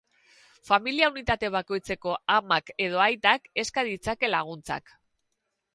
Familia unitate bakoitzeko amak edo aitak eska ditzake laguntzak.